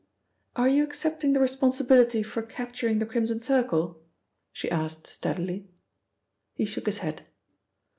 "Are you accepting the responsibility for capturing the Crimson Circle?" she asked steadily. He shook his head.